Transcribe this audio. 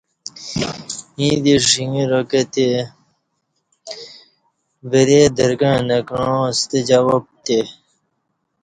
ییں دی شنگرا کہ تی ورۓ درگݩع نہ کعاں ستہ جواب پتے